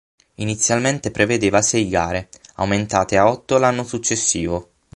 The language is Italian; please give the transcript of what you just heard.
Inizialmente prevedeva sei gare, aumentate a otto l'anno successivo.